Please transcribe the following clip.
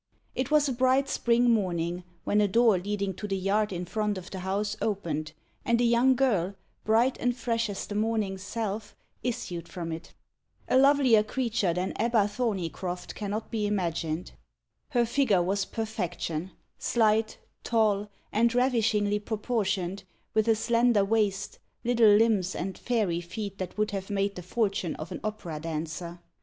It was a bright spring morning, when a door leading to the yard in front of the house opened, and a young girl, bright and fresh as the morning's self, issued from it. A lovelier creature than Ebba Thorneycroft cannot be imagined. Her figure was perfection slight, tall, and ravishingly proportioned, with a slender waist, little limbs, and fairy feet that would have made the fortune of an opera dancer.